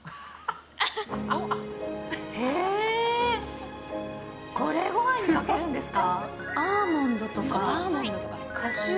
へー、これ、ごはんにかけるんですか？